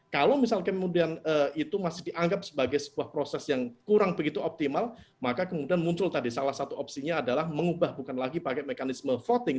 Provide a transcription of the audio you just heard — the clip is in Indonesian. kalau misal kemudian itu masih dianggap sebagai sebuah proses yang kurang begitu optimal maka kemudian muncul tadi salah satu opsinya adalah mengubah bukan lagi pakai mekanisme voting